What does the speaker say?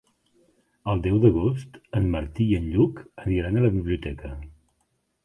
El deu d'agost en Martí i en Lluc aniran a la biblioteca.